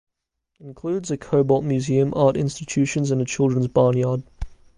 That includes a cobalt museum, art institutions, and a children's barn yard.